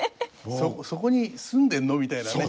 「そこに住んでるの？」みたいなね。